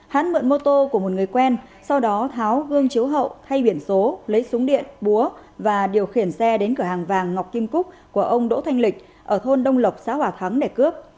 hắn mượn mô tô của một người quen sau đó tháo gương chiếu hậu thay biển số lấy súng điện búa và điều khiển xe đến cửa hàng vàng ngọc kim cúc của ông đỗ thanh lịch ở thôn đông lộc xã hòa thắng để cướp